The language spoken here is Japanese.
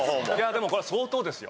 でもこれは相当ですよ。